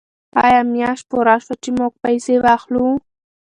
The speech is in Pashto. آیا میاشت پوره شوه چې موږ پیسې واخلو؟